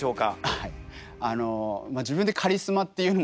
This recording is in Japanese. はい。